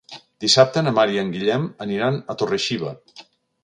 Dissabte na Mar i en Guillem aniran a Torre-xiva.